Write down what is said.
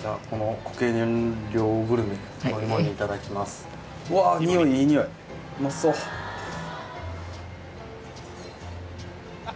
じゃあこの固形燃料グルメの芋煮いただきますわあ！